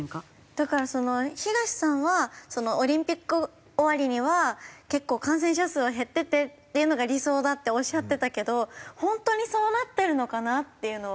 だから東さんはオリンピック終わりには結構感染者数は減っててっていうのが理想だっておっしゃってたけど本当にそうなってるのかなっていうのは。